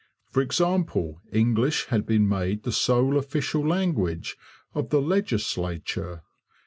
For example, English had been made the sole official language of the legislature.